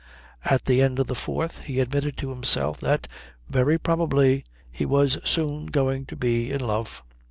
By the end of the fourth he admitted to himself that, very probably, he was soon going to be in love.